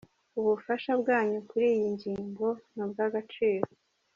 Ubufasha bwanyu kuri iyi ngingo ni ubw’agaciro.